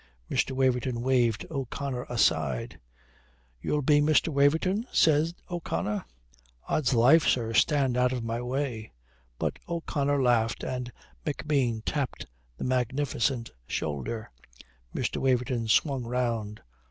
Mr. Waverton waved O'Connor aside. "You'll be Mr. Waverton?" said O'Connor. "Od's life, sir, stand out of my way." But O'Connor laughed and McBean tapped the magnificent shoulder. Mr. Waverton swung round.